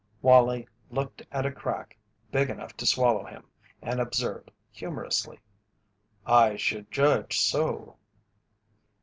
Wallie looked at a crack big enough to swallow him and observed humorously: "I should judge so."